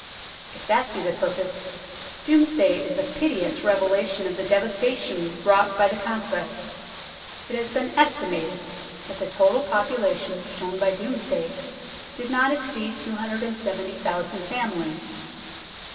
If that be the pur pose, Domesday is a pitiless revelation of the devastation wrought by the Conquest. It has been estimated that the total population shown by Domesday did not exceed 270,000 families.